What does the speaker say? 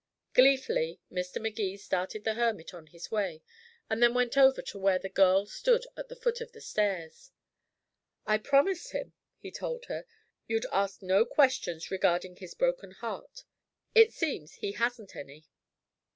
Gleefully Mr. Magee started the hermit on his way, and then went over to where the girl stood at the foot of the stairs. "I promised him," he told her, "you'd ask no questions regarding his broken heart. It seems he hasn't any."